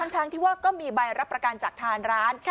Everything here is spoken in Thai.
ทั้งที่ว่าก็มีใบรับประกันจากทางร้าน